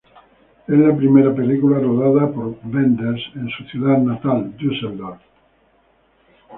Es la primera película rodada por Wenders en su ciudad natal, Düsseldorf.